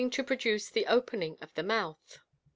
0 produce the opening of the mouth.